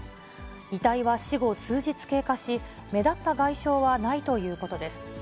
遺体は死後数日経過し、目立った外傷はないということです。